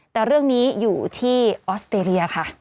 แต่เรื่องนี้อยู่ที่ออสเตรเลียค่ะ